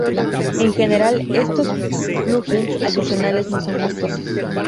En general, estos plugins adicionales no son costosos.